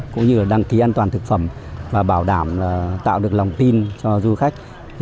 cũng như là đăng ký an toàn thực phẩm và bảo đảm tạo được lòng tin cho du khách